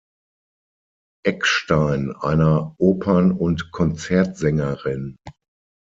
Eckstein, einer Opern- und Konzertsängerin.